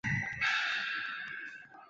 系统最终在墨西哥北部上空快速消散。